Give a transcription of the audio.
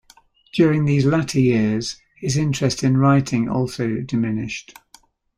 During these latter years, his interest in writing also diminished.